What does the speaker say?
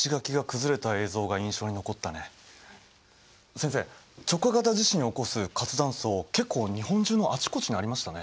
先生直下型地震を起こす活断層結構日本中のあちこちにありましたね？